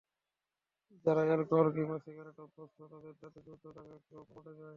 যাঁরা অ্যালকোহল কিংবা সিগারেটে অভ্যস্ত, তাঁদের দাঁতে দ্রুত দাগ পড়ে যায়।